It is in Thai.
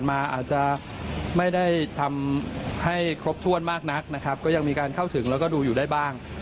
ไม่ตอบโต้ทั่วลง